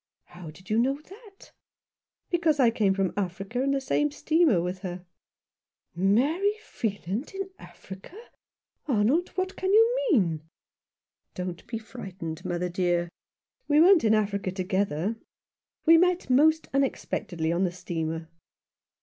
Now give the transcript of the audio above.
" How did you know that ?" "Because I came from Africa in the same steamer with her." "Mary Freeland in Africa! Arnold, what can you mean ?"" Don't be frightened, mother dear. We weren't 7i Rough Justice. in Africa together. We met most unexpectedly on the steamer."